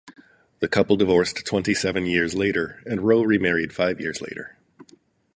The couple divorced twenty-seven years later, and Roe remarried five years later.